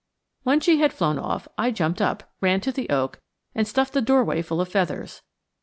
When she had flown off, I jumped up, ran to the oak, and stuffed the doorway full of feathers.